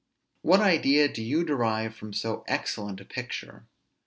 What idea do you derive from so excellent a picture?